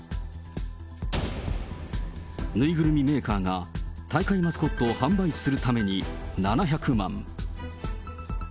縫いぐるみメーカーが、大会マスコットを販売するために７００万。